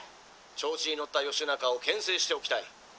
調子に乗った義仲を牽制しておきたい。